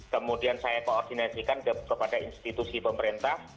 kemudian saya koordinasikan kepada institusi pemerintah